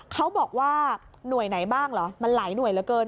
เขาบอกว่าหน่วยไหนบ้างเหรอมันหลายหน่วยเหลือเกิน